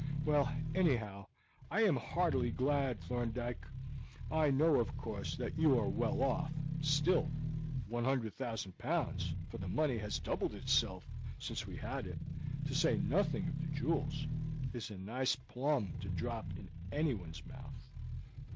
Well, anyhow, I am heartily glad, Thorndyke. I know, of course, that you are well off, still 100,000 pounds for the money has doubled itself since we had it to say nothing of the jewels, is a nice plum to drop into anyone's mouth."